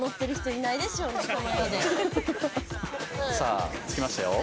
さあ着きましたよ。